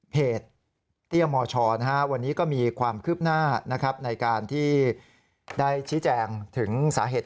เตี้ยมชวันนี้ก็มีความคืบหน้าในการที่ได้ชี้แจงถึงสาเหตุ